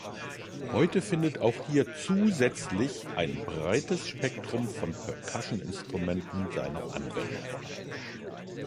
Heute findet auch hier zusätzlich ein breites Spektrum von Percussion-Instrumenten seine Anwendung.